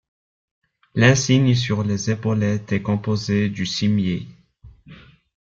L'insigne sur les épaulettes est composée du cimier.